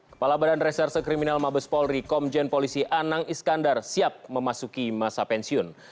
kepala badan reserse kriminal mabes polri komjen polisi anang iskandar siap memasuki masa pensiun